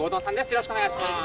よろしくお願いします。